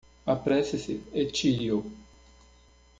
Apresse-se e tire-o